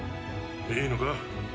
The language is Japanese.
いいのか？